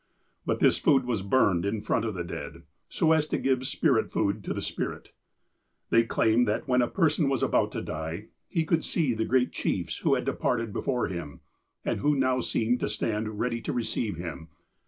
But this food was burned in front of the dead, so as to give spirit food to the spirit. They claimed that when a person was about to die, he could see the great chiefs who had departed before him, and who now seemed to stand ready to receive him.